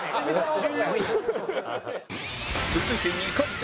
続いて２回戦